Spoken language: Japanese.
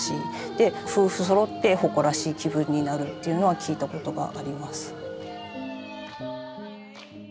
で夫婦そろって誇らしい気分になるっていうのは聞いたことがあります。